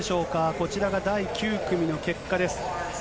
こちらが第９組の結果です。